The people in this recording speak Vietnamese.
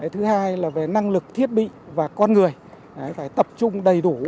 thứ hai là về năng lực thiết bị và con người phải tập trung đầy đủ